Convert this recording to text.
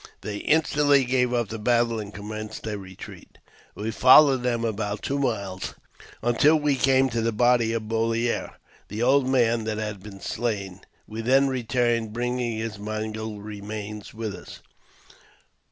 They instantly gave up the battle and commenced a retreat. We followed them about two miles, until we came to the body of Bolliere — the old man that had been slain ; we then returned, bringing his mangled remains with us.